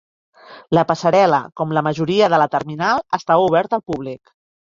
La passarel·la, com la majoria de la terminal, estava oberta al públic.